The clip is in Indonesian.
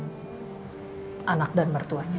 sama lapasnya untuk menghadiri perbualaan ini ya